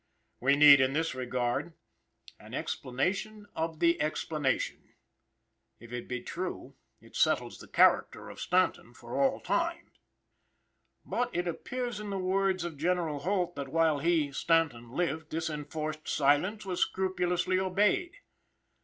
We need, in this regard, an explanation of the explanation. If it be true, it settles the character of Stanton for all time. But, it appears, in the words of General Holt, that "while he (Stanton) lived, this enforced silence was scrupulously obeyed."